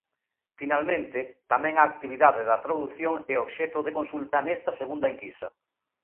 Finalmente, tamén a actividade da tradución é obxecto de consulta nesta segunda enquisa.